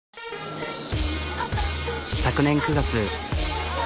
昨年９月。